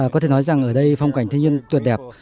có thể nói rằng ở đây phong cảnh thiên nhiên tuyệt đẹp